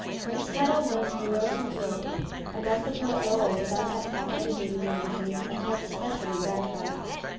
Its title was "The Rose Enthroned," and as the poet Lowell was at that time editing the magazine I felt especially gratified.